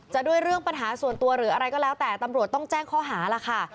ด้วยเรื่องปัญหาส่วนตัวหรืออะไรก็แล้วแต่ตำรวจต้องแจ้งข้อหาล่ะค่ะ